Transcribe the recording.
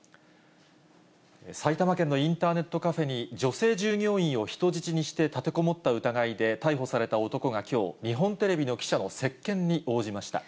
埼玉県のインターネットカフェに、女性従業員を人質にして立てこもった疑いで逮捕された男がきょう、日本テレビの記者の接見に応じました。